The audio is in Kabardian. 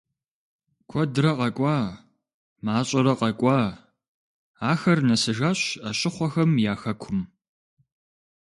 Куэдрэ къэкӀуа, мащӀэрэ къэкӀуа, ахэр нэсыжащ Ӏэщыхъуэхэм я хэкум.